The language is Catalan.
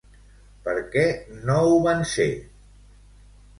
Per què no ho van ser?